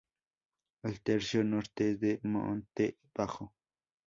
El tercio norte es de monte bajo.